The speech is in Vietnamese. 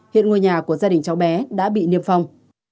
hiện ngôi nhà của gia đình cháu bé đã bị niêm phong